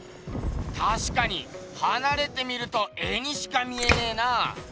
たしかにはなれて見ると絵にしか見えねえな。